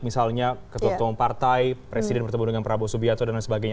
misalnya ketua ketua partai presiden bertemu dengan prabowo subianto dan lain sebagainya